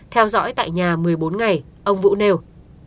theo dõi tại nhà một mươi bốn ngày ông vũ nêu